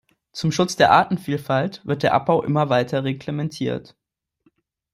Zum Schutz der Artenvielfalt wird der Abbau immer weiter reglementiert.